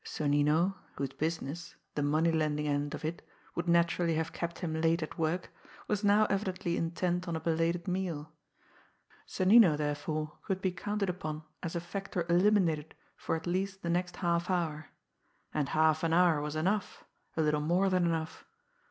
Sonnino, whose business, the money lending end of it, would naturally have kept him late at work, was now evidently intent on a belated meal; Sonnino, therefore, could be counted upon as a factor eliminated for at feast the next half hour and half an hour was enough, a little more than enough!